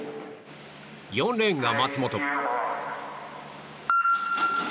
４レーンが松元。